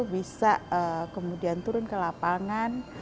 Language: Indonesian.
bisa kemudian turun ke lapangan